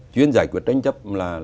chuyên giải quyết tranh chấp